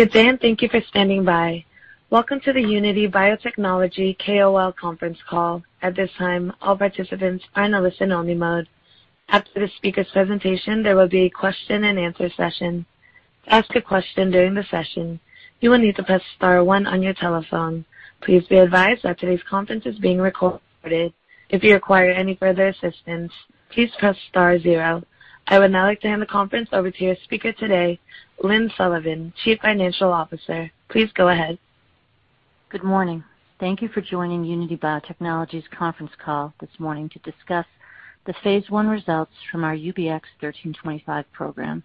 Good day, and thank you for standing by. Welcome to the Unity Biotechnology KOL Conference Call. At this time, all participants are in a listen-only mode. After the speaker's presentation, there will be a question and answer session. To ask a question during the session, you will need to press star one on your telephone. Please be advised that today's conference is being recorded. If you require any further assistance, please press star zero. I would now like to hand the conference over to your speaker today, Lynne Sullivan, Chief Financial Officer. Please go ahead. Good morning. Thank you for joining Unity Biotechnology's conference call this morning to discuss the phase I results from our UBX1325 program.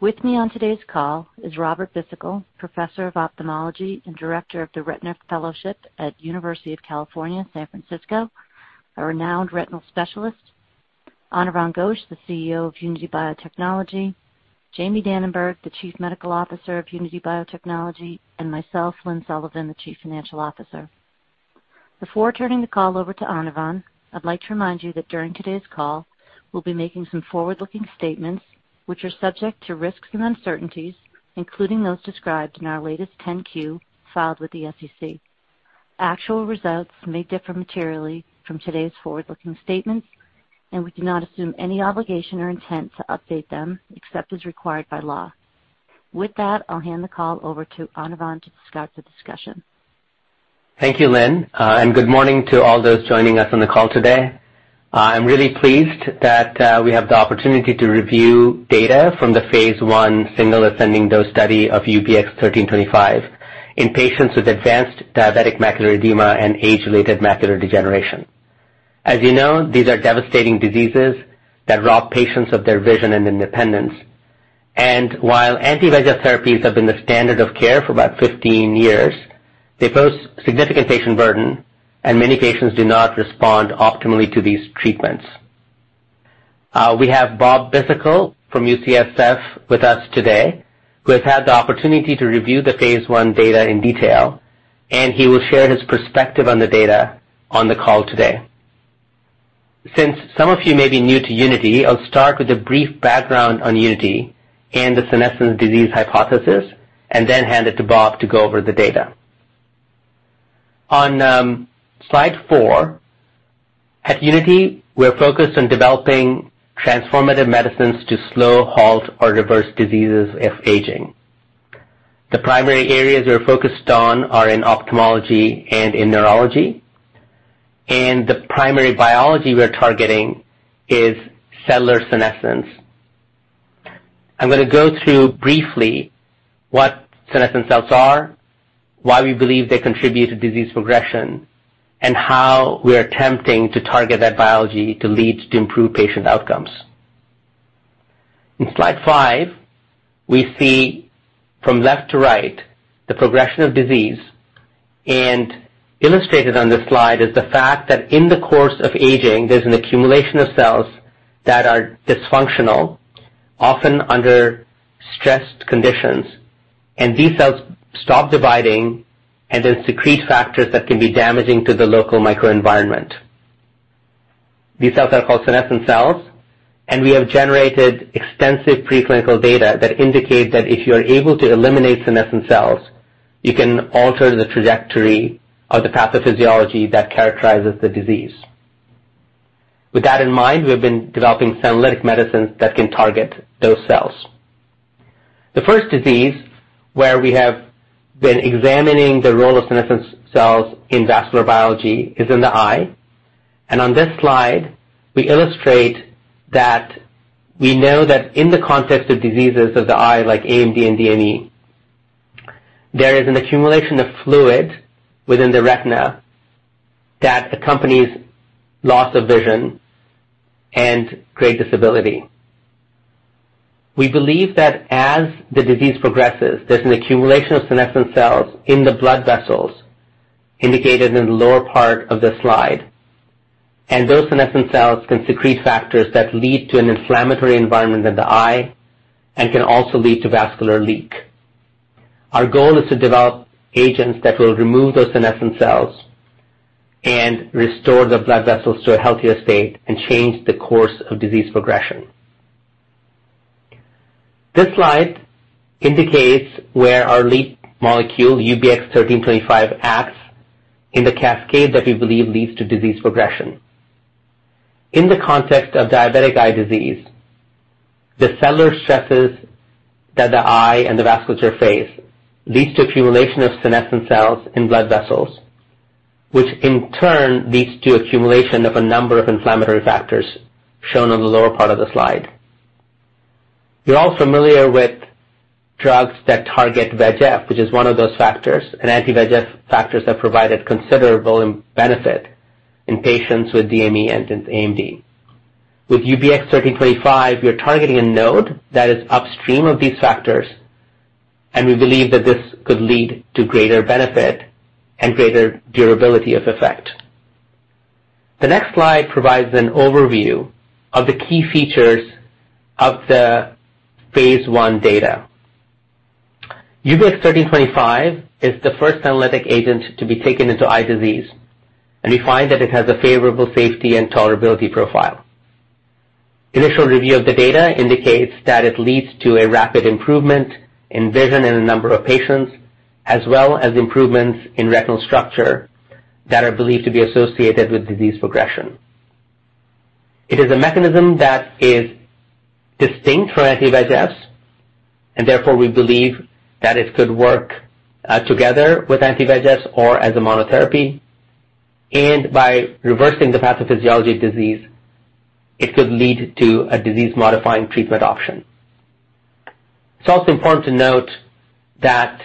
With me on today's call is Robert Bhisitkul, Professor of Ophthalmology and Director of the Retina Fellowship at University of California, San Francisco, a renowned retinal specialist. Anirvan Ghosh, the CEO of Unity Biotechnology. Jamie Dananberg, the Chief Medical Officer of Unity Biotechnology, and myself, Lynne Sullivan, the Chief Financial Officer. Before turning the call over to Anirvan, I'd like to remind you that during today's call, we'll be making some forward-looking statements which are subject to risks and uncertainties, including those described in our latest 10-Q filed with the SEC. Actual results may differ materially from today's forward-looking statements. We do not assume any obligation or intent to update them except as required by law. With that, I'll hand the call over to Anirvan to start the discussion. Thank you, Lynne. Good morning to all those joining us on the call today. I'm really pleased that we have the opportunity to review data from the phase I single ascending dose study of UBX1325 in patients with advanced diabetic macular edema and age-related macular degeneration. As you know, these are devastating diseases that rob patients of their vision and independence. While anti-VEGF therapies have been the standard of care for about 15 years, they pose significant patient burden. Many patients do not respond optimally to these treatments. We have Bob Bhisitkul from UCSF with us today, who has had the opportunity to review the phase I data in detail. He will share his perspective on the data on the call today. Since some of you may be new to Unity, I'll start with a brief background on Unity and the senescence disease hypothesis and then hand it to Robert Bhisitkul to go over the data. On slide four, at Unity, we're focused on developing transformative medicines to slow, halt, or reverse diseases of aging. The primary areas we're focused on are in ophthalmology and in neurology, and the primary biology we're targeting is cellular senescence. I'm going to go through briefly what senescent cells are, why we believe they contribute to disease progression, and how we are attempting to target that biology to lead to improved patient outcomes. In slide 5, we see from left to right the progression of disease, and illustrated on this slide is the fact that in the course of aging, there's an accumulation of cells that are dysfunctional, often under stressed conditions. These cells stop dividing and then secrete factors that can be damaging to the local microenvironment. These cells are called senescent cells, and we have generated extensive preclinical data that indicate that if you are able to eliminate senescent cells, you can alter the trajectory of the pathophysiology that characterizes the disease. With that in mind, we've been developing senolytic medicines that can target those cells. The first disease where we have been examining the role of senescent cells in vascular biology is in the eye. On this slide, we illustrate that we know that in the context of diseases of the eye, like AMD and DME, there is an accumulation of fluid within the retina that accompanies loss of vision and great disability. We believe that as the disease progresses, there's an accumulation of senescent cells in the blood vessels indicated in the lower part of the slide, and those senescent cells can secrete factors that lead to an inflammatory environment in the eye and can also lead to vascular leak. Our goal is to develop agents that will remove those senescent cells and restore the blood vessels to a healthier state and change the course of disease progression. This slide indicates where our leak molecule, UBX1325, acts in the cascade that we believe leads to disease progression. In the context of diabetic eye disease, the cellular stresses that the eye and the vasculature face leads to accumulation of senescent cells in blood vessels, which in turn leads to accumulation of a number of inflammatory factors shown on the lower part of the slide. You're all familiar with drugs that target VEGF, which is one of those factors, and anti-VEGF factors have provided considerable benefit in patients with DME and AMD. With UBX1325, we are targeting a node that is upstream of these factors, and we believe that this could lead to greater benefit and greater durability of effect. The next slide provides an overview of the key features of the phase I data. UBX1325 is the first senolytic agent to be taken into eye disease, and we find that it has a favorable safety and tolerability profile. Initial review of the data indicates that it leads to a rapid improvement in vision in a number of patients, as well as improvements in retinal structure that are believed to be associated with disease progression. It is a mechanism that is distinct from anti-VEGF, and therefore we believe that it could work together with anti-VEGF or as a monotherapy. By reversing the pathophysiology of disease, it could lead to a disease-modifying treatment option. It's also important to note that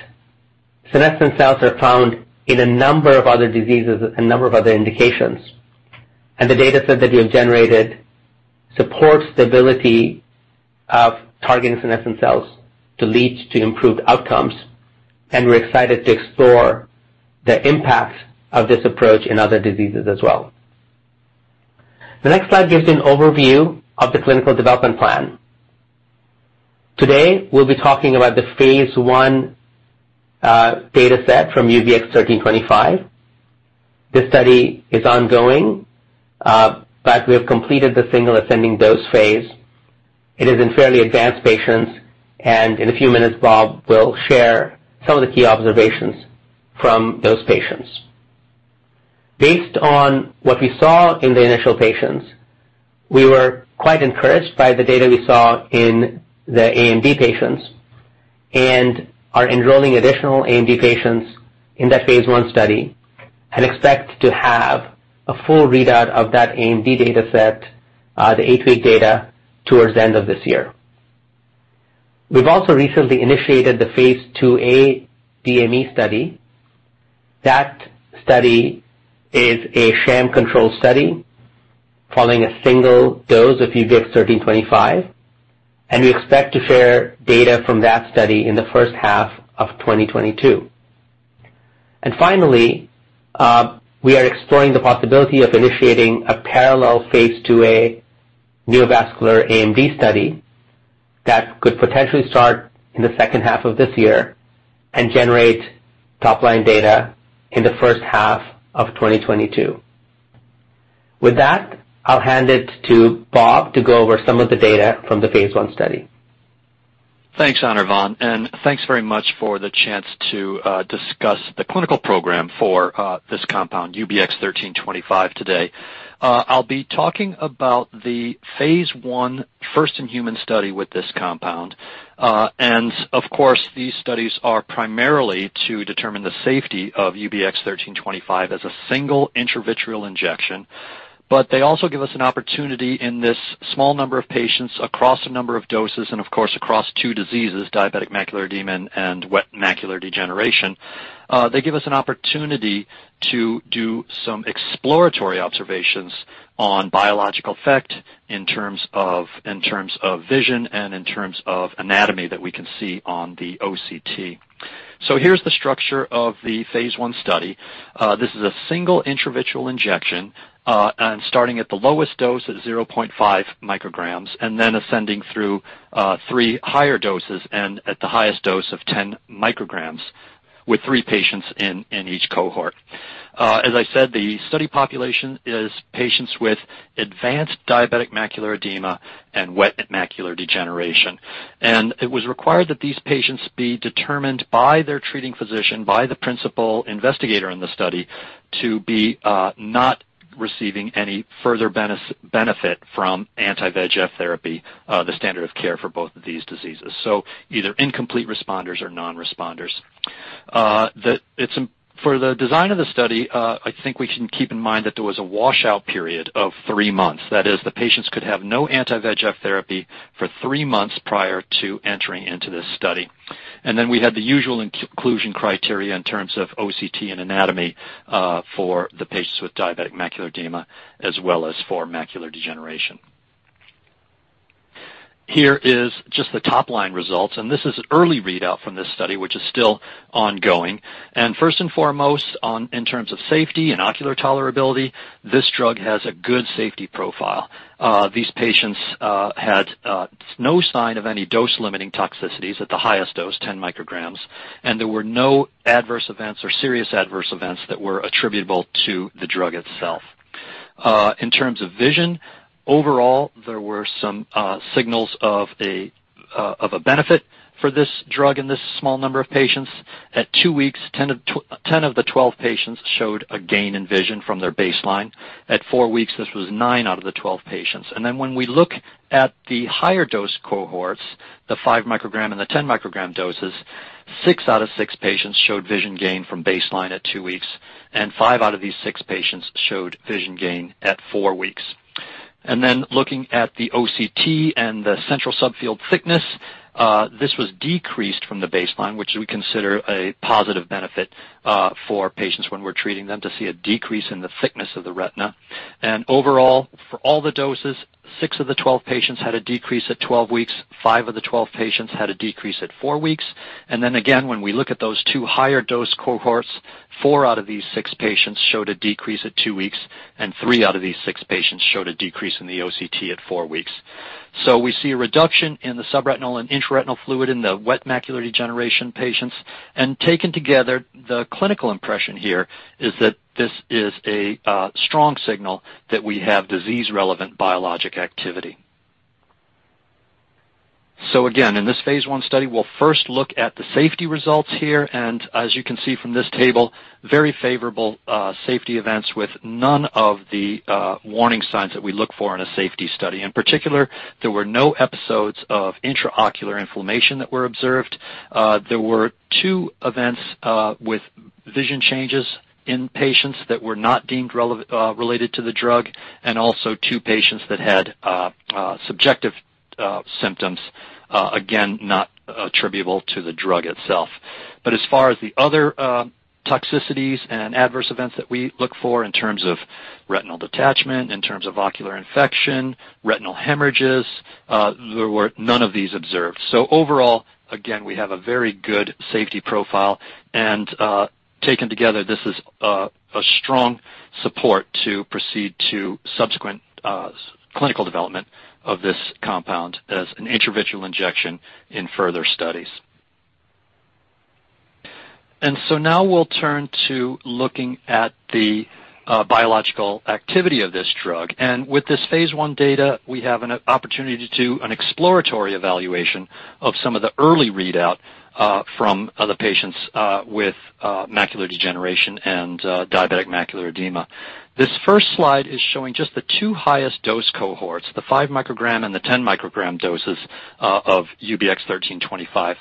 senescent cells are found in a number of other diseases, a number of other indications. The data set that we have generated supports the ability of targeting senescent cells to lead to improved outcomes, and we're excited to explore the impacts of this approach in other diseases as well. The next slide gives an overview of the clinical development plan. Today, we'll be talking about the phase I data set from UBX1325. This study is ongoing, but we have completed the single ascending dose phase. It is in fairly advanced patients, and in a few minutes, Robert Bhisitkul will share some of the key observations from those patients. Based on what we saw in the initial patients, we were quite encouraged by the data we saw in the AMD patients and are enrolling additional AMD patients in that phase I study and expect to have a full readout of that AMD data set, the eight-week data, towards the end of this year. We've also recently initiated the phase II-A DME study. That study is a sham-controlled study following a single dose of UBX1325, and we expect to share data from that study in the first half of 2022. Finally, we are exploring the possibility of initiating a parallel phase II-A neovascular AMD study that could potentially start in the second half of this year and generate top-line data in the first half of 2022. With that, I'll hand it to Bob to go over some of the data from the phase I study. Thanks, Anirvan, and thanks very much for the chance to discuss the clinical program for this compound, UBX1325, today. I'll be talking about the phase I first-in-human study with this compound. Of course, these studies are primarily to determine the safety of UBX1325 as a single intravitreal injection. They also give us an opportunity in this small number of patients across a number of doses and, of course, across two diseases, diabetic macular edema and wet macular degeneration. They give us an opportunity to do some exploratory observations on biological effect in terms of vision and in terms of anatomy that we can see on the OCT. Here's the structure of the phase I study. This is a single intravitreal injection, and starting at the lowest dose at 0.5 mcg, and then ascending through threehigher doses, and at the highest dose of 10 mcg with three patients in each cohort. As I said, the study population is patients with advanced diabetic macular edema and wet macular degeneration. It was required that these patients be determined by their treating physician, by the principal investigator in the study, to be not receiving any further benefit from anti-VEGF therapy, the standard of care for both of these diseases. Either incomplete responders or non-responders. For the design of the study, I think we can keep in mind that there was a washout period of three months. That is, the patients could have no anti-VEGF therapy for three months prior to entering into this study. We had the usual inclusion criteria in terms of OCT and anatomy for the patients with diabetic macular edema, as well as for macular degeneration. Here is just the top-line results, and this is an early readout from this study, which is still ongoing. First and foremost, in terms of safety and ocular tolerability, this drug has a good safety profile. These patients had no sign of any dose-limiting toxicities at the highest dose, 10 mcg, and there were no adverse events or serious adverse events that were attributable to the drug itself. In terms of vision, overall, there were some signals of a benefit for this drug in this small number of patients. At two weeks, 10 of the 12 patients showed a gain in vision from their baseline. At four weeks, this was nine out of the 12 patients. When we look at the higher dose cohorts, the 5 mcg and the 10 mcg doses, six out of six patients showed vision gain from baseline at two weeks, and five out of these six patients showed vision gain at four weeks. Looking at the OCT and the central subfield thickness, this was decreased from the baseline, which we consider a positive benefit for patients when we're treating them to see a decrease in the thickness of the retina. Overall, for all the doses, six of the 12 patients had a decrease at 12 weeks, five of the 12 patients had a decrease at four weeks. Then again, when we look at those two higher dose cohorts, four out of these six patients showed a decrease at two weeks, and three out of these six patients showed a decrease in the OCT at four weeks. We see a reduction in the subretinal and intraretinal fluid in the wet macular degeneration patients. Taken together, the clinical impression here is that this is a strong signal that we have disease-relevant biologic activity. Again, in this phase I study, we'll first look at the safety results here, and as you can see from this table, very favorable safety events with none of the warning signs that we look for in a safety study. In particular, there were no episodes of intraocular inflammation that were observed. There were two events with vision changes in patients that were not deemed related to the drug, and also two patients that had subjective symptoms, again, not attributable to the drug itself. As far as the other toxicities and adverse events that we look for in terms of retinal detachment, in terms of ocular infection, retinal hemorrhages, there were none of these observed. Overall, again, we have a very good safety profile. Taken together, this is a strong support to proceed to subsequent clinical development of this compound as an intravitreal injection in further studies. Now we'll turn to looking at the biological activity of this drug. With this phase I data, we have an opportunity to do an exploratory evaluation of some of the early readout from the patients with macular degeneration and diabetic macular edema. This first slide is showing just the two highest dose cohorts, the 5 mcg and the 10 mcg doses of UBX1325.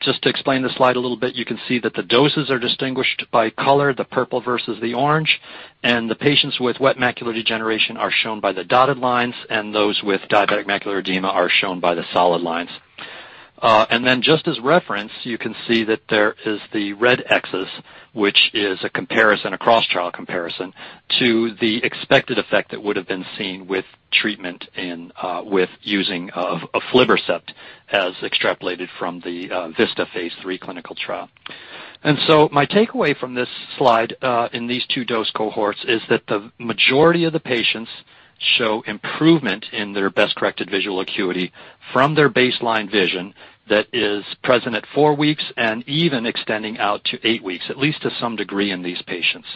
Just to explain the slide a little bit, you can see that the doses are distinguished by color, the purple versus the orange, and the patients with wet macular degeneration are shown by the dotted lines, and those with diabetic macular edema are shown by the solid lines. Then just as reference, you can see that there is the red Xs, which is a cross-trial comparison to the expected effect that would've been seen with treatment and with using of aflibercept as extrapolated from the VISTA phase III clinical trial. My takeaway from this slide in these two dose cohorts is that the majority of the patients show improvement in their best-corrected visual acuity from their baseline vision that is present at four weeks and even extending out to eight weeks, at least to some degree in these patients.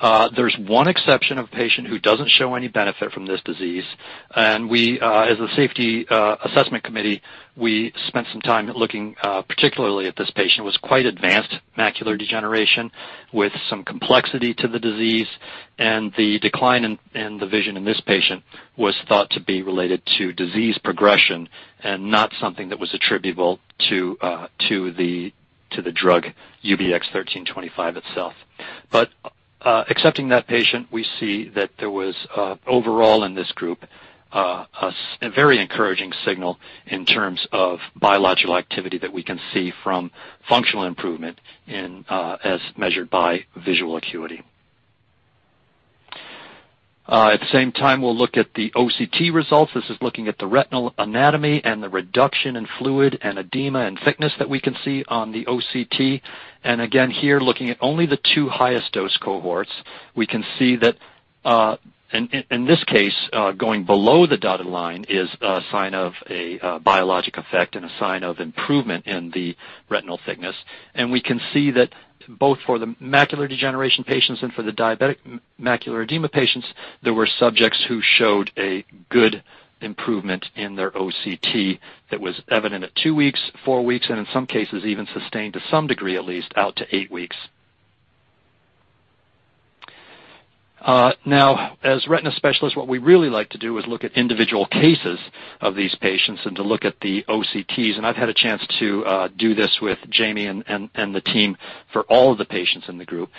There's one exception of a patient who doesn't show any benefit from this disease. We, as a safety assessment committee, we spent some time looking particularly at this patient, who was quite advanced macular degeneration with some complexity to the disease. The decline in the vision in this patient was thought to be related to disease progression and not something that was attributable to the drug UBX1325 itself. Excepting that patient, we see that there was, overall in this group, a very encouraging signal in terms of biological activity that we can see from functional improvement as measured by visual acuity. At the same time, we'll look at the OCT results. This is looking at the retinal anatomy and the reduction in fluid and edema and thickness that we can see on the OCT. Again, here, looking at only the two highest dose cohorts, we can see that, in this case, going below the dotted line is a sign of a biologic effect and a sign of improvement in the retinal thickness. We can see that both for the macular degeneration patients and for the diabetic macular edema patients, there were subjects who showed a good improvement in their OCT that was evident at two weeks, four weeks, and in some cases even sustained to some degree, at least, out to eight weeks. Now, as retina specialists, what we really like to do is look at individual cases of these patients and to look at the OCTs. I've had a chance to do this with Jamie and the team for all of the patients in the group.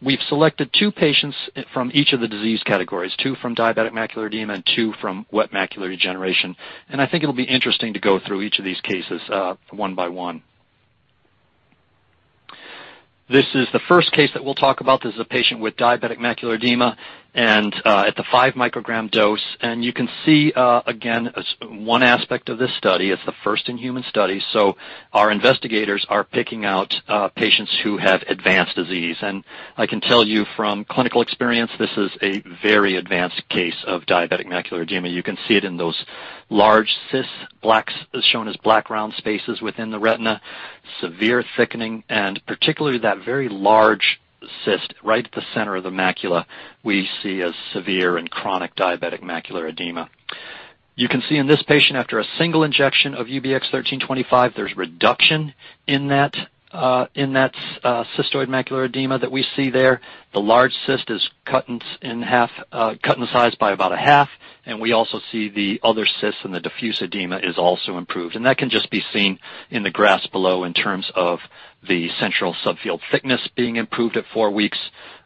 We've selected two patients from each of the disease categories, two from diabetic macular edema and two from wet macular degeneration. I think it'll be interesting to go through each of these cases one by one. This is the first case that we'll talk about. This is a patient with diabetic macular edema and at the five microgram dose. You can see, again, one aspect of this study. It's the first in human studies, so our investigators are picking out patients who have advanced disease. I can tell you from clinical experience, this is a very advanced case of diabetic macular edema. You can see it in those large cysts shown as black round spaces within the retina, severe thickening, and particularly that very large cyst right at the center of the macula we see as severe and chronic diabetic macular edema. You can see in this patient, after a single injection of UBX1325, there's reduction in that cystoid macular edema that we see there. The large cyst is cut in the size by about a half, and we also see the other cysts and the diffuse edema is also improved. That can just be seen in the graphs below in terms of the central subfield thickness being improved at 4 weeks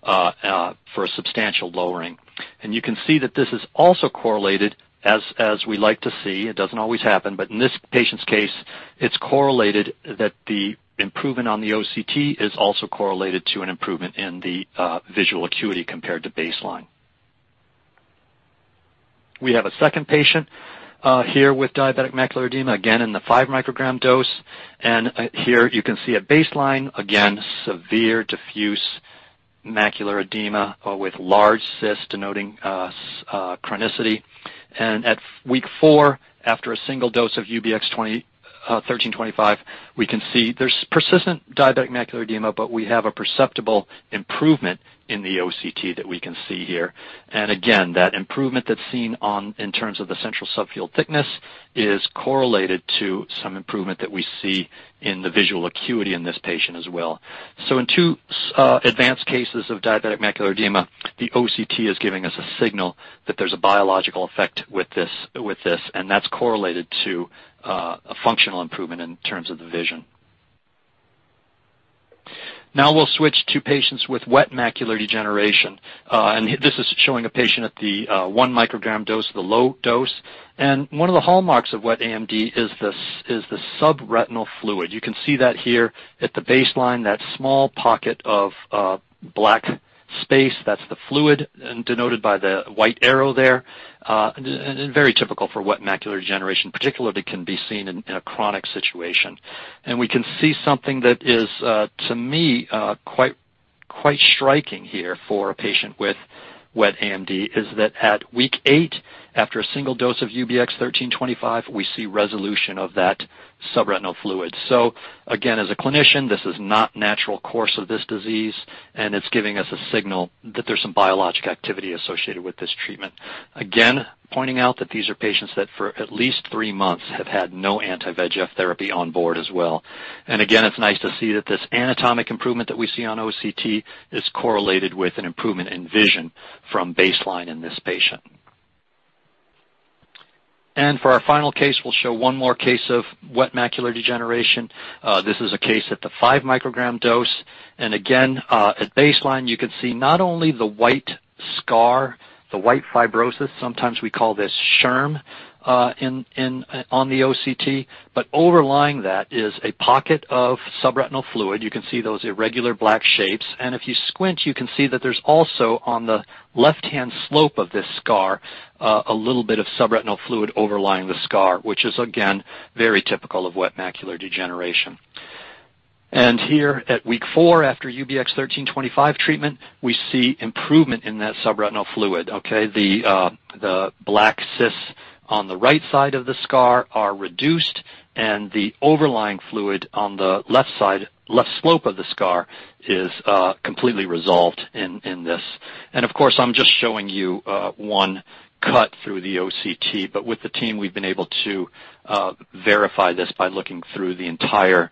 for a substantial lowering. You can see that this is also correlated as we like to see. It doesn't always happen, but in this patient's case, it's correlated that the improvement on the OCT is also correlated to an improvement in the visual acuity compared to baseline. We have a second patient here with diabetic macular edema, again in the 5 mcg dose. Here you can see at baseline, again, severe diffuse macular edema with large cysts denoting chronicity. At week four, after a single dose of UBX1325, we can see there's persistent diabetic macular edema, but we have a perceptible improvement in the OCT that we can see here. Again, that improvement that's seen in terms of the central subfield thickness is correlated to some improvement that we see in the visual acuity in this patient as well. In two advanced cases of diabetic macular edema, the OCT is giving us a signal that there's a biological effect with this, and that's correlated to a functional improvement in terms of the vision. Now we'll switch to patients with wet macular degeneration. This is showing a patient at the one microgram dose, the low dose. One of the hallmarks of wet AMD is the subretinal fluid. You can see that here at the baseline, that small pocket of black space, that's the fluid denoted by the white arrow there. Very typical for wet macular degeneration, particularly can be seen in a chronic situation. We can see something that is, to me, quite striking here for a patient with wet AMD is that at week eight, after a single dose of UBX1325, we see resolution of that subretinal fluid. As a clinician, this is not natural course of this disease, and it's giving us a signal that there's some biologic activity associated with this treatment. Again, pointing out that these are patients that for at least three months have had no anti-VEGF therapy on board as well. It's nice to see that this anatomic improvement that we see on OCT is correlated with an improvement in vision from baseline in this patient. For our final case, we'll show one more case of wet macular degeneration. This is a case at the five microgram dose. Again, at baseline, you can see not only the white scar, the white fibrosis, sometimes we call this SHRM, on the OCT, but overlying that is a pocket of subretinal fluid. You can see those irregular black shapes. If you squint, you can see that there's also, on the left-hand slope of this scar, a little bit of subretinal fluid overlying the scar, which is again, very typical of wet macular degeneration. Here at week four, after UBX1325 treatment, we see improvement in that subretinal fluid. Okay. The black cysts on the right side of the scar are reduced and the overlying fluid on the left side, left slope of the scar, is completely resolved in this. Of course, I'm just showing you one cut through the OCT. with the team, we've been able to verify this by looking through the entire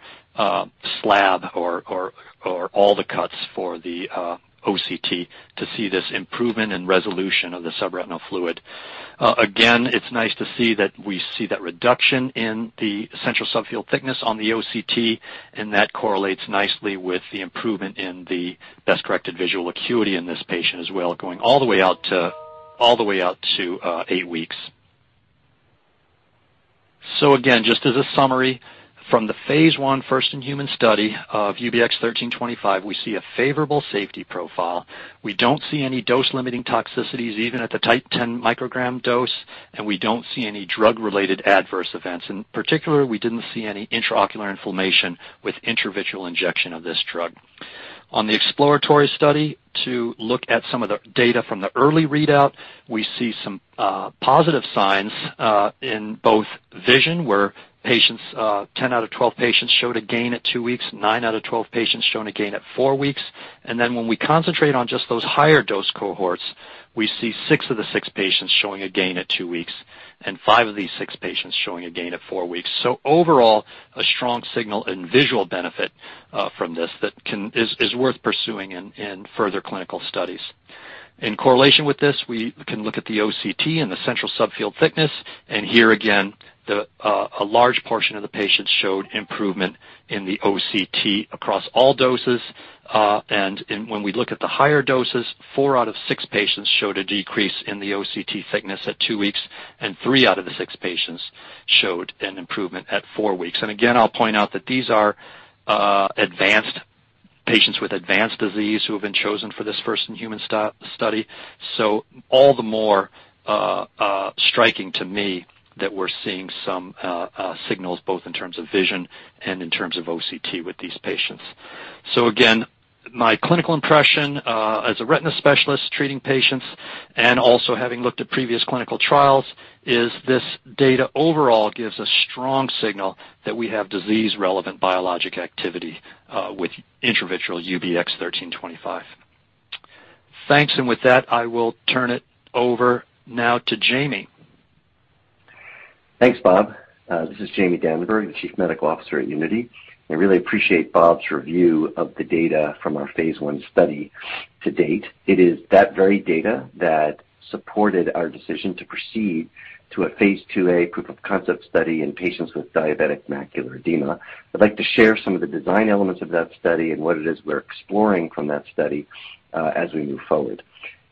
slab or all the cuts for the OCT to see this improvement and resolution of the subretinal fluid. Again, it's nice to see that we see that reduction in the central subfield thickness on the OCT, and that correlates nicely with the improvement in the best-corrected visual acuity in this patient as well, going all the way out to eight weeks. again, just as a summary, from the phase I first-in-human study of UBX1325, we see a favorable safety profile. We don't see any dose-limiting toxicities, even at the tight 10 mcg dose, and we don't see any drug-related adverse events. In particular, we didn't see any intraocular inflammation with intravitreal injection of this drug. On the exploratory study, to look at some of the data from the early readout, we see some positive signs in both vision where 10 out of 12 patients showed a gain at two weeks, nine out of 12 patients shown a gain at four weeks. When we concentrate on just those higher dose cohorts, we see six of the six patients showing a gain at two weeks and five of these six patients showing a gain at four weeks. Overall, a strong signal in visual benefit from this that is worth pursuing in further clinical studies. In correlation with this, we can look at the OCT and the central subfield thickness, and here again, a large portion of the patients showed improvement in the OCT across all doses. When we look at the higher doses, four out of six patients showed a decrease in the OCT thickness at two weeks, and three out of the six patients showed an improvement at four weeks. Again, I'll point out that these are patients with advanced disease who have been chosen for this first-in-human study. All the more striking to me that we're seeing some signals both in terms of vision and in terms of OCT with these patients. Again, my clinical impression, as a retina specialist treating patients and also having looked at previous clinical trials, is this data overall gives a strong signal that we have disease-relevant biologic activity with intravitreal UBX1325. Thanks. With that, I will turn it over now to Jamie. Thanks, Bob. This is Jamie Dananberg, the Chief Medical Officer at Unity. I really appreciate Bob's review of the data from our phase I study to date. It is that very data that supported our decision to proceed to a phase II-A proof-of-concept study in patients with diabetic macular edema. I'd like to share some of the design elements of that study and what it is we're exploring from that study as we move forward.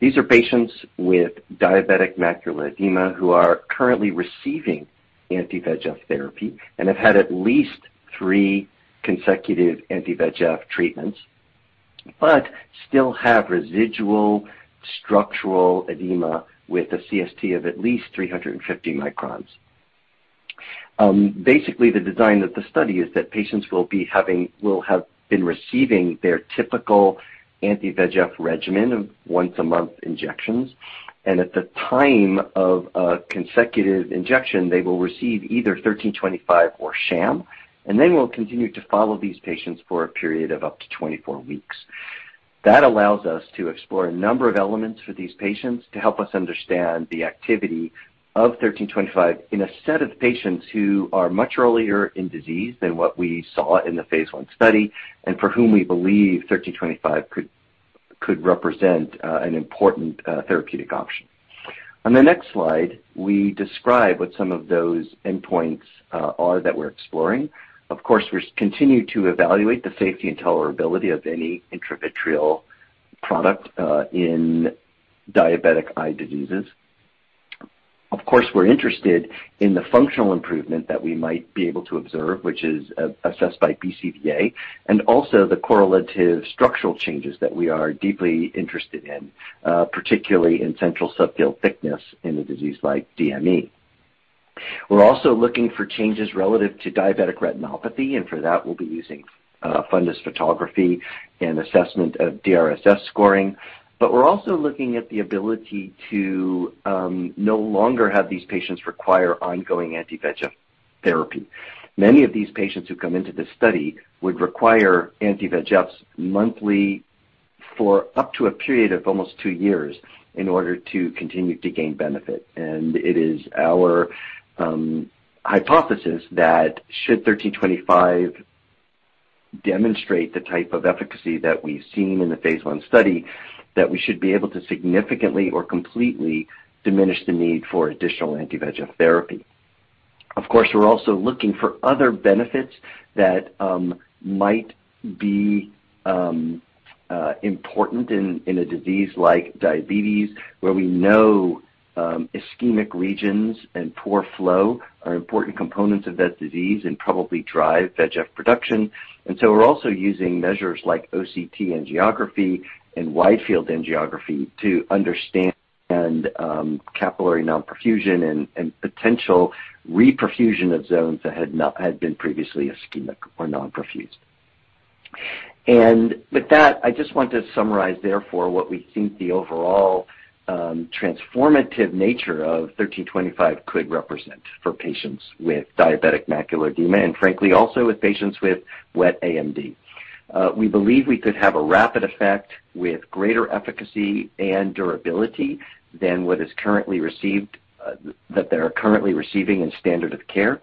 These are patients with diabetic macular edema who are currently receiving anti-VEGF therapy and have had at least three consecutive anti-VEGF treatments, but still have residual structural edema with a CST of at least 350 microns. Basically, the design of the study is that patients will have been receiving their typical anti-VEGF regimen of once-a-month injections. At the time of a consecutive injection, they will receive either UBX1325 or sham, and then we'll continue to follow these patients for a period of up to 24 weeks. That allows us to explore a number of elements for these patients to help us understand the activity of UBX1325 in a set of patients who are much earlier in disease than what we saw in the phase I study, and for whom we believe UBX1325 could represent an important therapeutic option. On the next slide, we describe what some of those endpoints are that we're exploring. Of course, we continue to evaluate the safety and tolerability of any intravitreal product in diabetic eye diseases. Of course, we're interested in the functional improvement that we might be able to observe, which is assessed by BCVA, and also the correlative structural changes that we are deeply interested in, particularly in central subfield thickness in a disease like DME. We're also looking for changes relative to diabetic retinopathy, and for that, we'll be using fundus photography and assessment of DRSS scoring. We're also looking at the ability to no longer have these patients require ongoing anti-VEGF therapy. Many of these patients who come into this study would require anti-VEGFs monthly for up to a period of almost two years in order to continue to gain benefit. It is our hypothesis that should UBX1325 demonstrate the type of efficacy that we've seen in the phase I study, that we should be able to significantly or completely diminish the need for additional anti-VEGF therapy. Of course, we're also looking for other benefits that might be important in a disease like diabetes, where we know ischemic regions and poor flow are important components of that disease and probably drive VEGF production. We're also using measures like OCT angiography and wide-field angiography to understand capillary non-perfusion and potential reperfusion of zones that had been previously ischemic or non-perfused. With that, I just want to summarize therefore what we think the overall transformative nature of UBX1325 could represent for patients with diabetic macular edema, and frankly, also with patients with wet AMD. We believe we could have a rapid effect with greater efficacy and durability than what they're currently receiving in standard of care.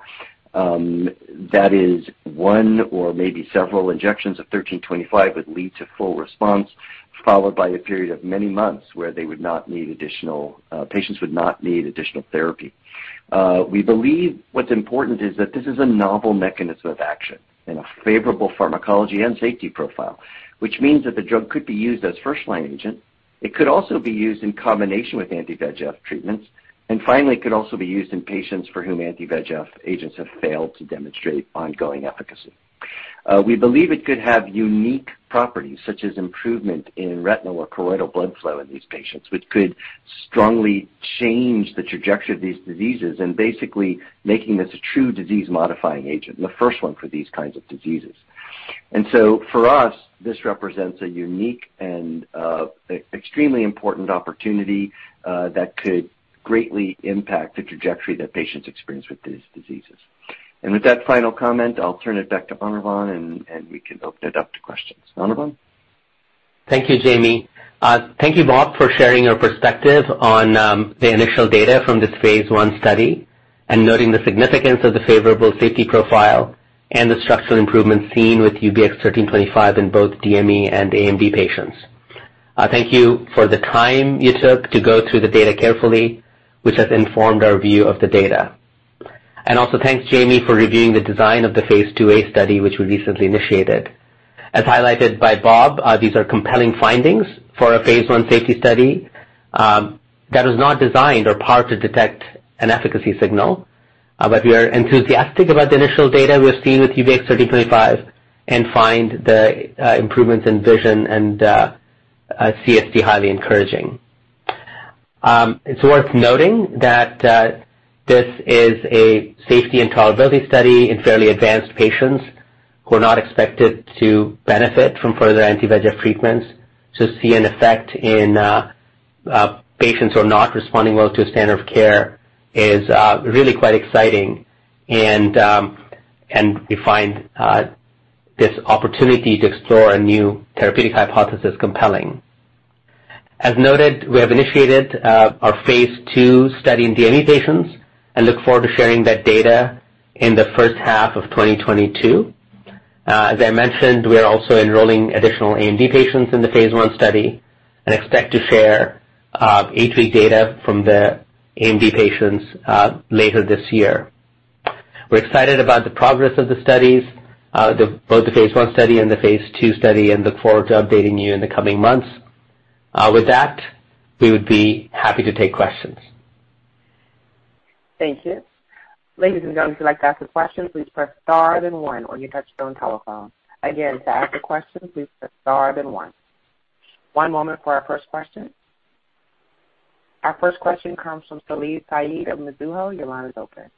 That is one or maybe several injections of UBX1325 would lead to full response, followed by a period of many months where patients would not need additional therapy. We believe what's important is that this is a novel mechanism of action and a favorable pharmacology and safety profile, which means that the drug could be used as first-line agent. It could also be used in combination with anti-VEGF treatments. Finally, it could also be used in patients for whom anti-VEGF agents have failed to demonstrate ongoing efficacy. We believe it could have unique properties, such as improvement in retinal or choroidal blood flow in these patients, which could strongly change the trajectory of these diseases and basically making this a true disease-modifying agent, the first one for these kinds of diseases. For us, this represents a unique and extremely important opportunity that could greatly impact the trajectory that patients experience with these diseases. With that final comment, I'll turn it back to Anirvan Ghosh, and we can open it up to questions. Anirvan Ghosh? Thank you, Jamie. Thank you, Bob, for sharing your perspective on the initial data from this phase I study and noting the significance of the favorable safety profile and the structural improvements seen with UBX1325 in both DME and AMD patients. Thank you for the time you took to go through the data carefully, which has informed our view of the data. Also, thanks, Jamie, for reviewing the design of the phase II-A study, which we recently initiated. As highlighted by Bob, these are compelling findings for a phase I safety study that was not designed or powered to detect an efficacy signal. We are enthusiastic about the initial data we've seen with UBX1325 and find the improvements in vision and CST highly encouraging. It's worth noting that this is a safety and tolerability study in fairly advanced patients who are not expected to benefit from further anti-VEGF treatments. To see an effect in patients who are not responding well to standard of care is really quite exciting, and we find this opportunity to explore a new therapeutic hypothesis compelling. As noted, we have initiated our phase II study in DME patients and look forward to sharing that data in the first half of 2022. As I mentioned, we are also enrolling additional AMD patients in the phase I study and expect to share phase III data from the AMD patients later this year. We're excited about the progress of the studies, both the phase I study and the phase II study, and look forward to updating you in the coming months. With that, we would be happy to take questions. Thank you. Ladies and gentlemen, if you'd like to ask a question, please press star then one on your touchtone telephone. Again, to ask a question, please press star then one. One moment for our first question. Our first question comes from Salim Syed of Mizuho. Your line is open.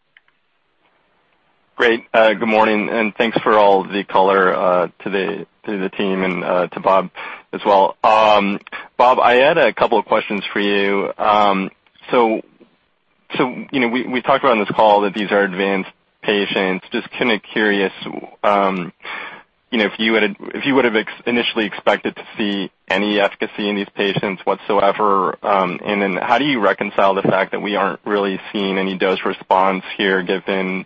Great. Good morning, and thanks for all the color to the team and to Bob as well. Bob, I had a couple of questions for you. we talked about on this call that these are advanced patients. Just curious if you would've initially expected to see any efficacy in these patients whatsoever, and then how do you reconcile the fact that we aren't really seeing any dose response here given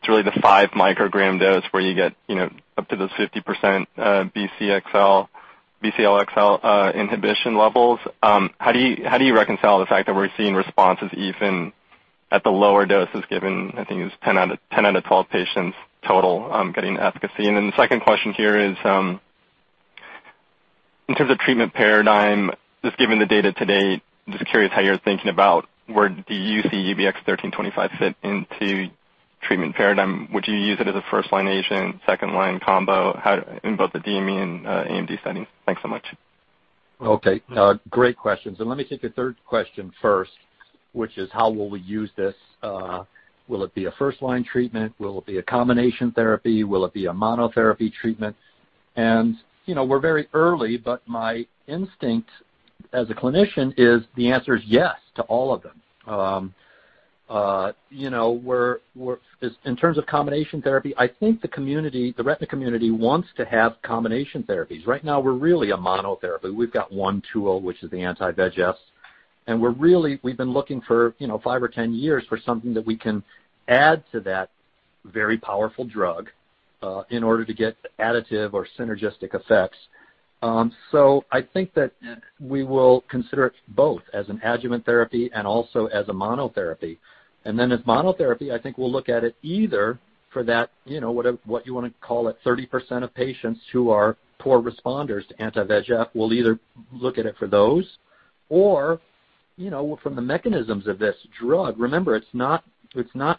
it's really the five microgram dose where you get up to those 50% BCL-xL inhibition levels. How do you reconcile the fact that we're seeing responses even at the lower doses given, I think it was 10 out of 12 patients total getting efficacy. the second question here is, in terms of treatment paradigm, just given the data to date, just curious how you're thinking about where do you see UBX1325 fit into treatment paradigm. Would you use it as a first-line agent, second line combo, in both the DME and AMD settings? Thanks so much. Okay. Great questions, and let me take your third question first, which is how will we use this? Will it be a first-line treatment? Will it be a combination therapy? Will it be a monotherapy treatment? We're very early, but my instinct as a clinician is the answer is yes to all of them. In terms of combination therapy, I think the retina community wants to have combination therapies. Right now, we're really a monotherapy. We've got one tool, which is the anti-VEGF, and we've been looking for five or 10 years for something that we can add to that very powerful drug, in order to get additive or synergistic effects. I think that we will consider it both as an adjuvant therapy and also as a monotherapy. As monotherapy, I think we'll look at it either for that, what you want to call it, 30% of patients who are poor responders to anti-VEGF. We'll either look at it for those or from the mechanisms of this drug. Remember, it's not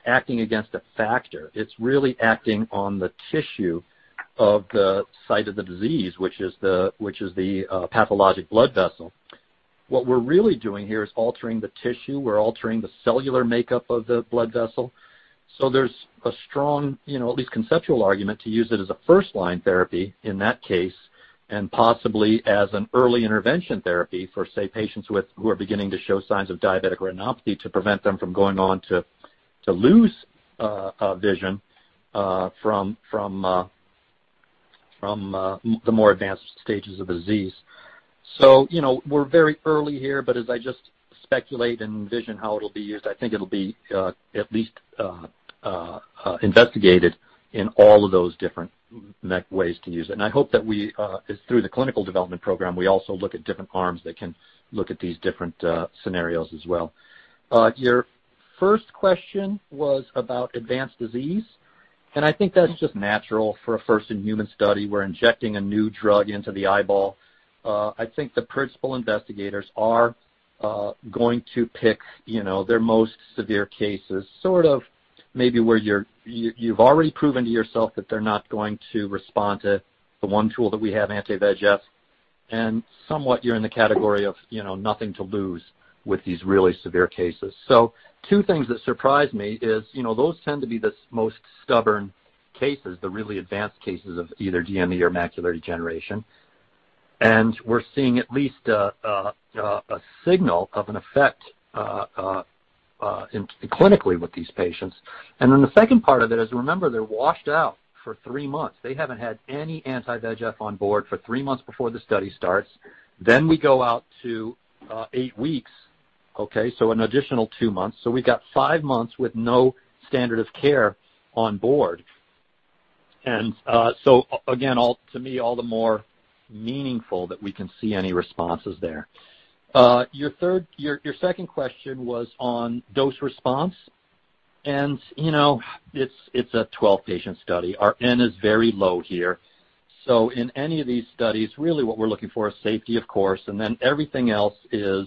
acting against a factor. It's really acting on the tissue of the site of the disease, which is the pathologic blood vessel. What we're really doing here is altering the tissue. We're altering the cellular makeup of the blood vessel. there's a strong, at least conceptual argument to use it as a first-line therapy in that case, and possibly as an early intervention therapy for, say, patients who are beginning to show signs of diabetic retinopathy to prevent them from going on to lose vision from the more advanced stages of the disease. We're very early here, but as I just speculate and envision how it'll be used, I think it'll be at least investigated in all of those different ways to use it. I hope that through the clinical development program, we also look at different arms that can look at these different scenarios as well. Your first question was about advanced disease, and I think that's just natural for a first-in-human study. We're injecting a new drug into the eyeball. I think the principal investigators are going to pick their most severe cases, sort of maybe where you've already proven to yourself that they're not going to respond to the one tool that we have, anti-VEGF, and somewhat you're in the category of nothing to lose with these really severe cases. Two things that surprise me is those tend to be the most stubborn cases, the really advanced cases of either DME or macular degeneration. We're seeing at least a signal of an effect clinically with these patients. The second part of it is, remember, they're washed out for three months. They haven't had any anti-VEGF on board for three months before the study starts. We go out to eight weeks. Okay, an additional two months. We've got five months with no standard of care on board. Again, to me, all the more meaningful that we can see any responses there. Your second question was on dose response, and it's a 12-patient study. Our N is very low here. In any of these studies, really what we're looking for is safety, of course, and then everything else is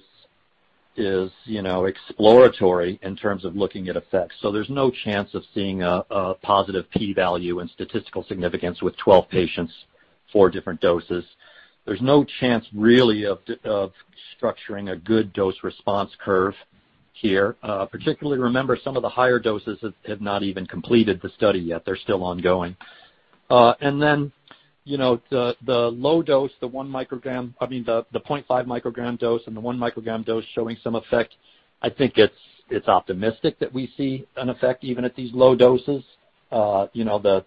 exploratory in terms of looking at effects. There's no chance of seeing a positive P value and statistical significance with 12 patients, four different doses. There's no chance, really, of structuring a good dose response curve here. Particularly, remember, some of the higher doses have not even completed the study yet. They're still ongoing. The low dose, the 0.5 mcg dose, and the 1 mcg dose showing some effect, I think it's optimistic that we see an effect even at these low doses. The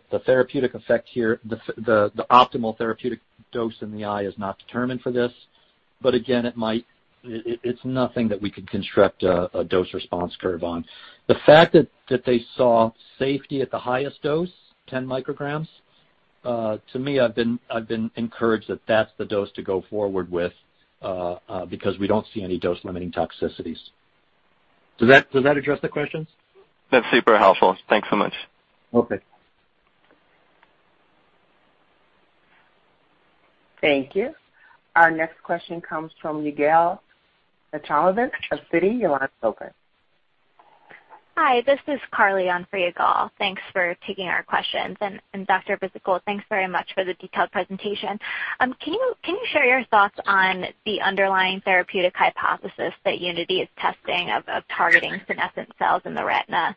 optimal therapeutic dose in the eye is not determined for this. Again, it's nothing that we could construct a dose response curve on. The fact that they saw safety at the highest dose, 10 mcg, to me, I've been encouraged that that's the dose to go forward with, because we don't see any dose-limiting toxicities. Does that address the questions? That's super helpful. Thanks so much. Okay. Thank you. Our next question comes from Yigal Nochomovitz of Citi. Your line is open. Hi, this is Carly on for Yigal. Thanks for taking our questions. Dr. Bhisitkul, thanks very much for the detailed presentation. Can you share your thoughts on the underlying therapeutic hypothesis that Unity is testing of targeting senescent cells in the retina?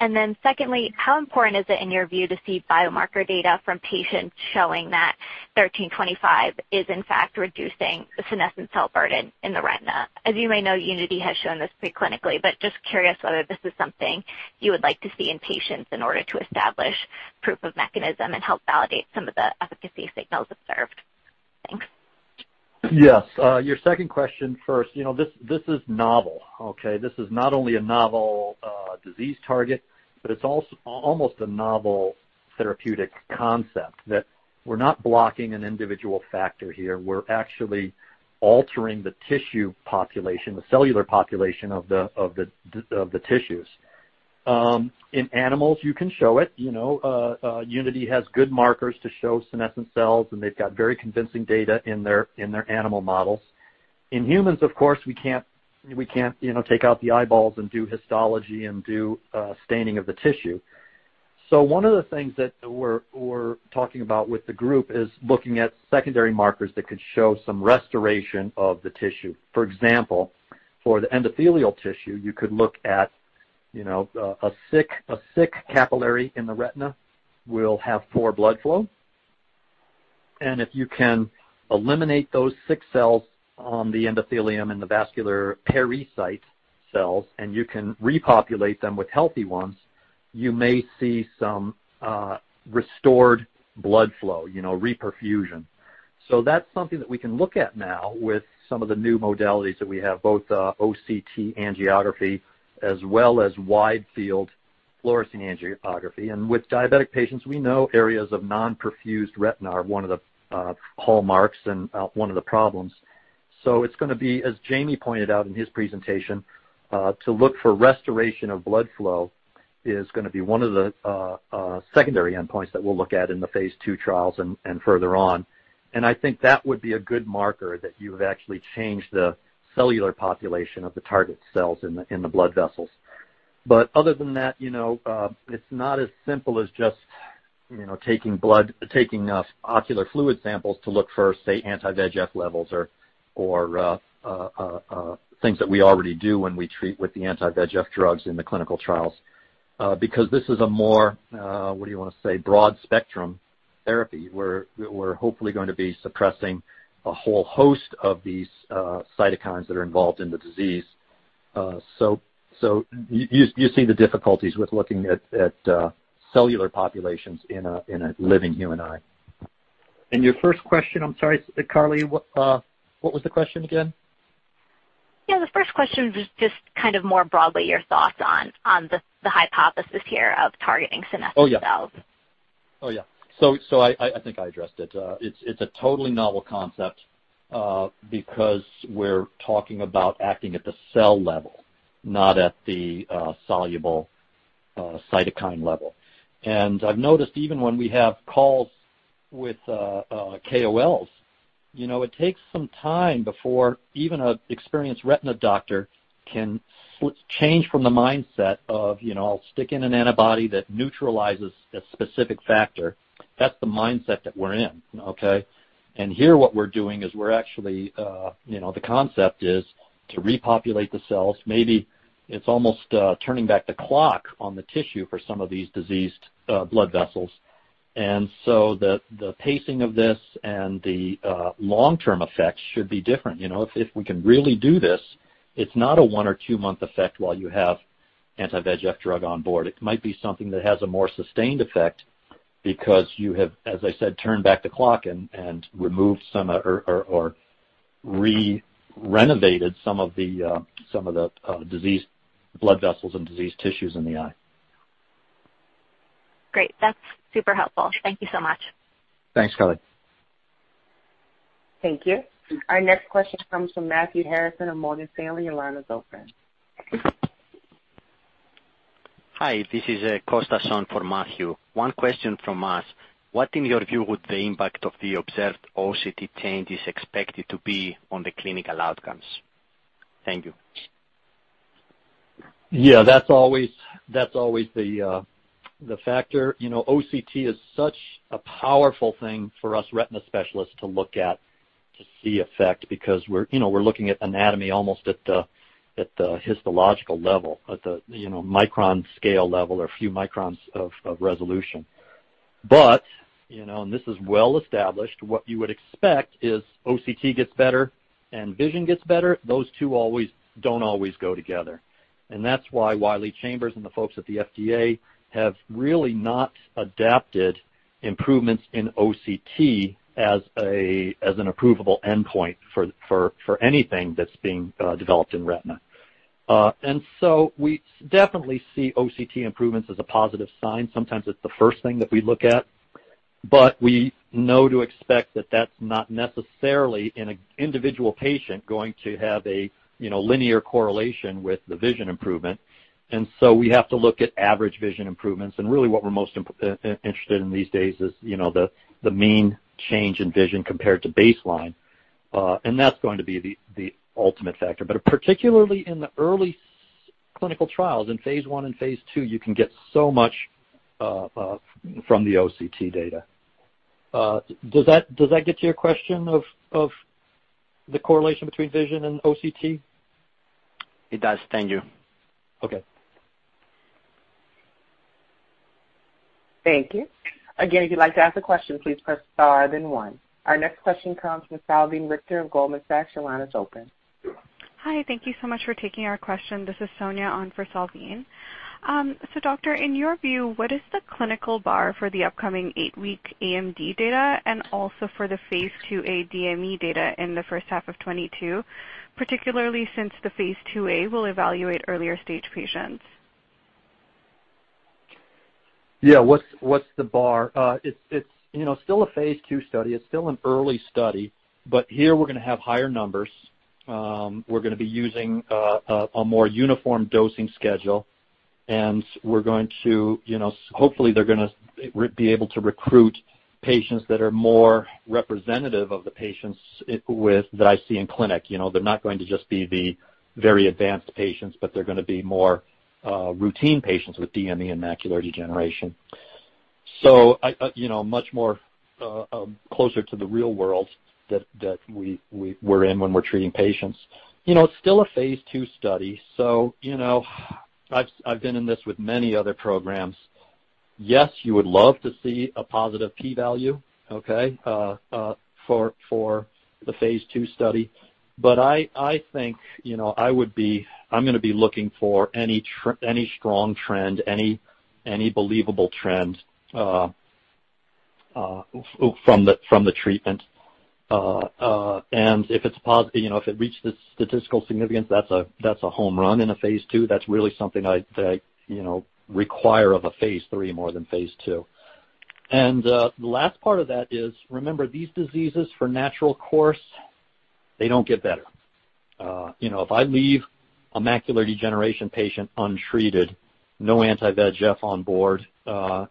And then secondly, how important is it, in your view, to see biomarker data from patients showing that UBX1325 is in fact reducing the senescent cell burden in the retina? As you may know, Unity has shown this pre-clinically, but just curious whether this is something you would like to see in patients in order to establish proof of mechanism and help validate some of the efficacy signals observed. Thanks. Yes. Your second question first. This is novel. Okay? This is not only a novel disease target, but it's almost a novel therapeutic concept that we're not blocking an individual factor here. We're actually altering the tissue population, the cellular population of the tissues. In animals, you can show it. Unity has good markers to show senescent cells, and they've got very convincing data in their animal models. In humans, of course, we can't take out the eyeballs and do histology and do staining of the tissue. One of the things that we're talking about with the group is looking at secondary markers that could show some restoration of the tissue. For example, for the endothelial tissue, you could look at a sick capillary in the retina will have poor blood flow. If you can eliminate those sick cells on the endothelium and the vascular pericyte cells, and you can repopulate them with healthy ones, you may see some restored blood flow, reperfusion. That's something that we can look at now with some of the new modalities that we have, both OCT angiography as well as wide field fluorescein angiography. With diabetic patients, we know areas of non-perfused retina are one of the hallmarks and one of the problems. It's going to be, as Jamie pointed out in his presentation, to look for restoration of blood flow is going to be one of the secondary endpoints that we'll look at in the phase II trials and further on. I think that would be a good marker that you've actually changed the cellular population of the target cells in the blood vessels. Other than that, it's not as simple as just taking ocular fluid samples to look for, say, anti-VEGF levels or things that we already do when we treat with the anti-VEGF drugs in the clinical trials. Because this is a more, what do you want to say, broad spectrum therapy, we're hopefully going to be suppressing a whole host of these cytokines that are involved in the disease. you see the difficulties with looking at cellular populations in a living human eye. your first question, I'm sorry, Carly, what was the question again? Yeah, the first question was just more broadly your thoughts on the hypothesis here of targeting senescent cells. Oh, yeah. I think I addressed it. It's a totally novel concept, because we're talking about acting at the cell level, not at the soluble cytokine level. I've noticed even when we have calls with KOLs, it takes some time before even an experienced retina doctor can change from the mindset of, I'll stick in an antibody that neutralizes a specific factor. That's the mindset that we're in. Okay? Here what we're doing is we're actually, the concept is to repopulate the cells. Maybe it's almost turning back the clock on the tissue for some of these diseased blood vessels. The pacing of this and the long-term effects should be different. If we can really do this, it's not a one or two-month effect while you have anti-VEGF drug on board. It might be something that has a more sustained effect because you have, as I said, turned back the clock and removed some or renovated some of the diseased blood vessels and diseased tissues in the eye. Great. That's super helpful. Thank you so much. Thanks, Carly. Thank you. Our next question comes from Matthew Harrison of Morgan Stanley your line is open. Hi, this is Kostas for Matthew. One question from us. What, in your view, would the impact of the observed OCT changes expected to be on the clinical outcomes? Thank you. Yeah, that's always the factor. OCT is such a powerful thing for us retina specialists to look at to see effect because we're looking at anatomy almost at the histological level, at the micron scale level or a few microns of resolution. And this is well established, what you would expect is OCT gets better and vision gets better. Those two don't always go together. That's why Wiley Chambers and the folks at the FDA have really not adapted improvements in OCT as an approvable endpoint for anything that's being developed in retina. We definitely see OCT improvements as a positive sign. Sometimes it's the first thing that we look at, but we know to expect that that's not necessarily, in an individual patient, going to have a linear correlation with the vision improvement. We have to look at average vision improvements, and really what we're most interested in these days is the mean change in vision compared to baseline. That's going to be the ultimate factor. particularly in the early clinical trials, in phase I and phase II, you can get so much from the OCT data. Does that get to your question of the correlation between vision and OCT? It does. Thank you. Okay. Thank you. Again, if you'd like to ask a question, please press star, then one. Our next question comes from Salveen Richter of Goldman Sachs. Your line is open. Hi. Thank you so much for taking our question. This is Sonia on for Salveen. Doctor, in your view, what is the clinical bar for the upcoming eight-week AMD data and also for the phase II-A DME data in the first half of 2022, particularly since the phase II-A will evaluate earlier-stage patients? Yeah. What's the bar? It's still a phase II study. It's still an early study, but here we're going to have higher numbers. We're going to be using a more uniform dosing schedule, and we're going to, hopefully they're going to be able to recruit patients that are more representative of the patients that I see in clinic. They're not going to just be the very advanced patients, but they're going to be more routine patients with DME and macular degeneration. much more closer to the real world that we're in when we're treating patients. It's still a phase II study, so I've been in this with many other programs. Yes, you would love to see a +P value, okay, for the phase II study. I think I'm going to be looking for any strong trend, any believable trend from the treatment. If it reaches statistical significance, that's a home run in a phase II. That's really something that I require of a phase III more than phase II. The last part of that is, remember, these diseases for natural course, they don't get better. If I leave a macular degeneration patient untreated, no anti-VEGF on board, the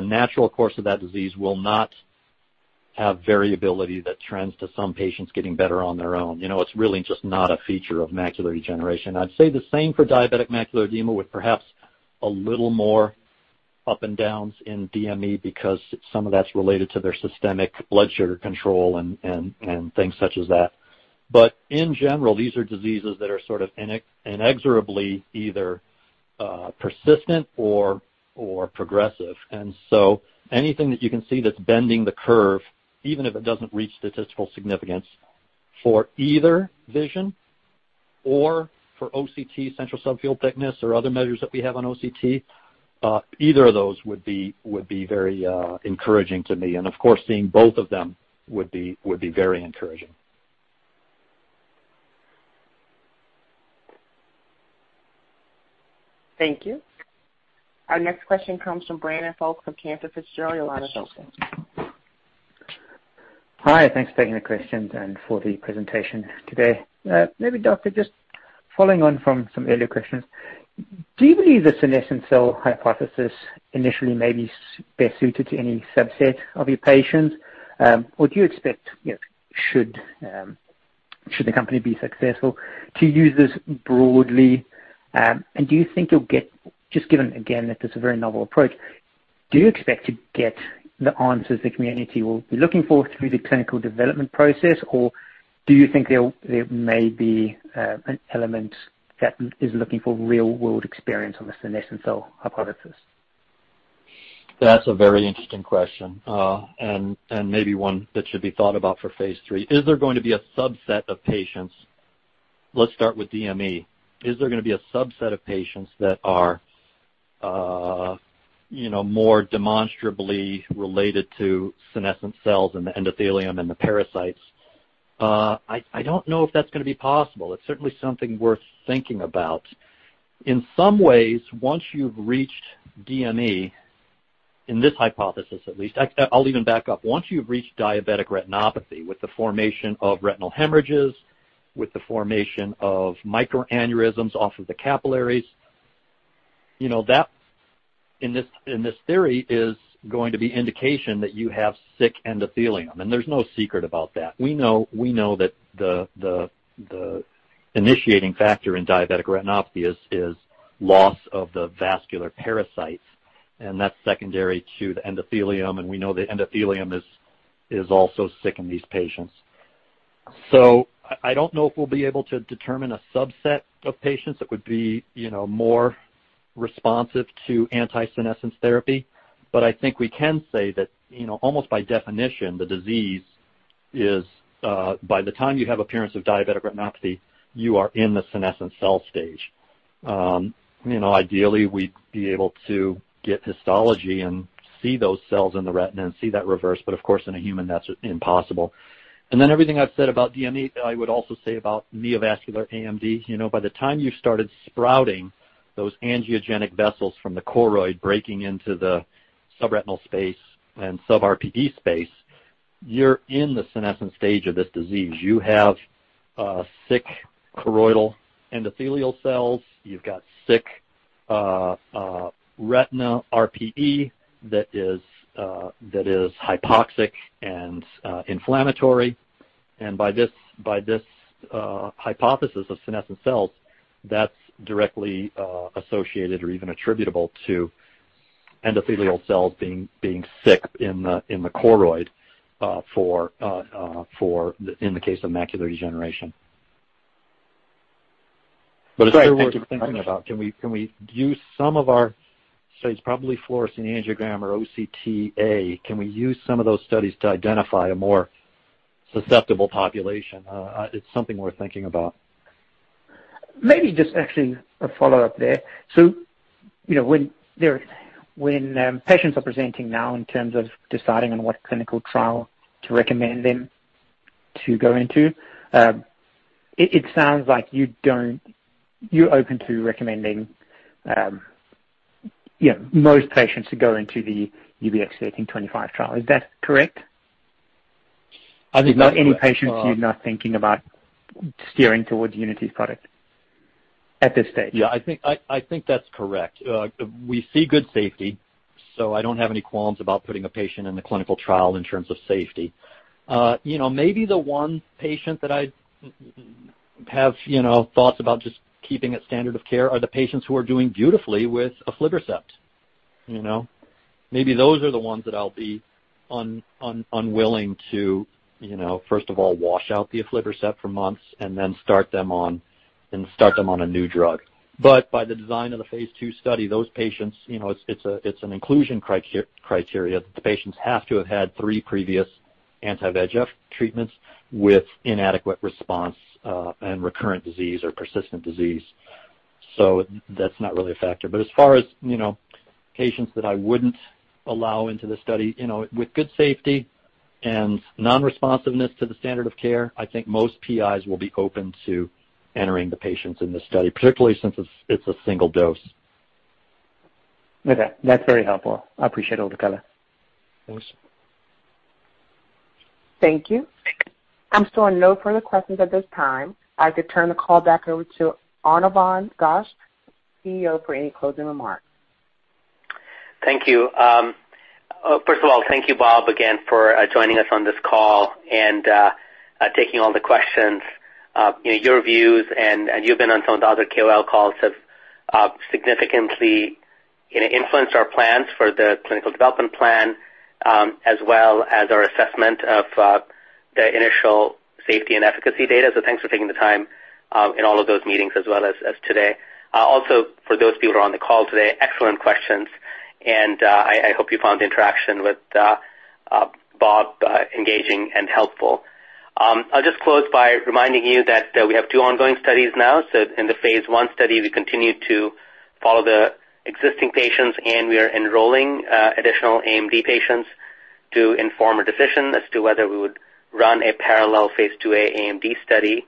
natural course of that disease will not have variability that trends to some patients getting better on their own. It's really just not a feature of macular degeneration. I'd say the same for diabetic macular edema, with perhaps a little more up and downs in DME because some of that's related to their systemic blood sugar control and things such as that. In general, these are diseases that are sort of inexorably either persistent or progressive. Anything that you can see that's bending the curve, even if it doesn't reach statistical significance for either vision or for OCT central subfield thickness or other measures that we have on OCT, either of those would be very encouraging to me. Of course, seeing both of them would be very encouraging. Thank you. Our next question comes from Brandon Folkes from Cantor Fitzgerald. Your line is open. Hi. Thanks for taking the questions and for the presentation today. Maybe, Doctor, just following on from some earlier questions. Do you believe the senescent cell hypothesis initially may be best suited to any subset of your patients? Do you expect, should the company be successful, to use this broadly? Do you think you'll get, just given again that this is a very novel approach, do you expect to get the answers the community will be looking for through the clinical development process, or do you think there may be an element that is looking for real-world experience on the senescent cell hypothesis? That's a very interesting question, and maybe one that should be thought about for phase III. Is there going to be a subset of patients? Let's start with DME. Is there going to be a subset of patients that are more demonstrably related to senescent cells in the endothelium and the pericytes? I don't know if that's going to be possible. It's certainly something worth thinking about. In some ways, once you've reached DME, in this hypothesis at least. I'll even back up. Once you've reached diabetic retinopathy with the formation of retinal hemorrhages, with the formation of microaneurysms off of the capillaries, that, in this theory, is going to be indication that you have sick endothelium, and there's no secret about that. We know that the initiating factor in diabetic retinopathy is loss of the vascular pericytes, and that's secondary to the endothelium, and we know the endothelium is also sick in these patients. I don't know if we'll be able to determine a subset of patients that would be more responsive to anti-senescence therapy. I think we can say that almost by definition, the disease is, by the time you have appearance of diabetic retinopathy, you are in the senescent cell stage. Ideally, we'd be able to get histology and see those cells in the retina and see that reverse, but of course, in a human, that's impossible. Everything I've said about DME, I would also say about neovascular AMD. By the time you've started sprouting those angiogenic vessels from the choroid breaking into the subretinal space and sub-RPE space, you're in the senescent stage of this disease. You have sick choroidal endothelial cells. You've got sick retina RPE that is hypoxic and inflammatory, and by this hypothesis of senescent cells, that's directly associated or even attributable to endothelial cells being sick in the choroid in the case of macular degeneration. Great. Thank you. It's something worth thinking about. Can we use some of our studies, probably fluorescein angiogram or OCTA, can we use some of those studies to identify a more susceptible population? It's something worth thinking about. Maybe just actually a follow-up there. When patients are presenting now in terms of deciding on what clinical trial to recommend them to go into, it sounds like you're open to recommending most patients to go into the UBX1325 trial. Is that correct? I think that's correct. There's not any patients you're not thinking about steering towards Unity's product at this stage. Yeah, I think that's correct. We see good safety, so I don't have any qualms about putting a patient in the clinical trial in terms of safety. Maybe the one patient that I have thoughts about just keeping it standard of care are the patients who are doing beautifully with aflibercept. Maybe those are the ones that I'll be unwilling to, first of all, wash out the aflibercept for months and then start them on a new drug. By the design of the phase II study, those patients, it's an inclusion criteria that the patients have to have had three previous anti-VEGF treatments with inadequate response and recurrent disease or persistent disease. That's not really a factor. As far as patients that I wouldn't allow into the study, with good safety and non-responsiveness to the standard of care, I think most PIs will be open to entering the patients in this study, particularly since it's a single dose. Okay. That's very helpful. I appreciate all the color. Thanks. Thank you. I'm showing no further questions at this time. I could turn the call back over to Anirvan Ghosh, CEO, for any closing remarks. Thank you. First of all, thank you, Bob, again, for joining us on this call and taking all the questions. Your views, and you've been on some of the other KOL calls, have significantly influenced our plans for the clinical development plan, as well as our assessment of the initial safety and efficacy data. Thanks for taking the time in all of those meetings as well as today. Also, for those people who are on the call today, excellent questions, and I hope you found the interaction with Bob engaging and helpful. I'll just close by reminding you that we have two ongoing studies now. In the phase I study, we continue to follow the existing patients, and we are enrolling additional AMD patients to inform a decision as to whether we would run a parallel phase II-A AMD study.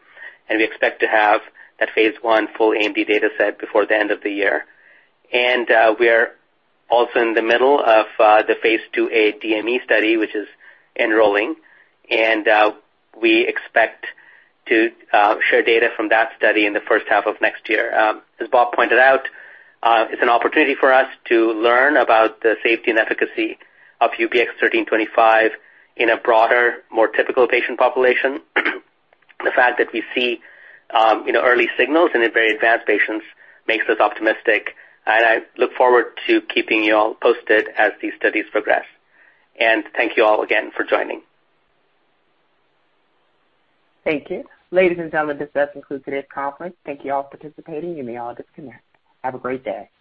We expect to have that phase I full AMD data set before the end of the year. We're also in the middle of the phase II-A DME study, which is enrolling, and we expect to share data from that study in the first half of next year. As Bob pointed out, it's an opportunity for us to learn about the safety and efficacy of UBX1325 in a broader, more typical patient population. The fact that we see early signals in very advanced patients makes us optimistic, and I look forward to keeping you all posted as these studies progress. Thank you all again for joining. Thank you. Ladies and gentlemen, this does conclude today's conference. Thank you all for participating. You may all disconnect. Have a great day.